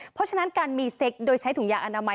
เพราะฉะนั้นการมีเซ็กโดยใช้ถุงยางอนามัย